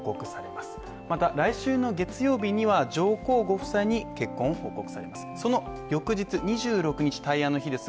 また、来週の月曜日には上皇ご夫妻に結婚報告されます。